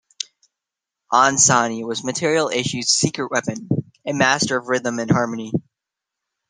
Ansani was Material Issue's secret weapon...a master of rhythm and harmony.